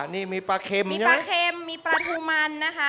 นี่มีปลาเค็มใช่มั้ย